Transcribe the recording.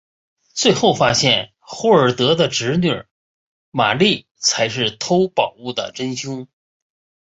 最后发现霍尔德的侄女玛丽才是偷宝物的真凶。